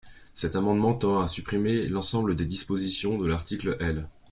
Cet amendement tend à supprimer l’ensemble des dispositions de l’article L.